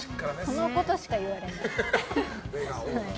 このことしか言われない。